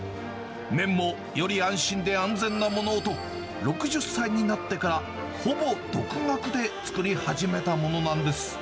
麺もより安心で安全なものをと、６０歳になってから、ほぼ独学で作り始めたものなんです。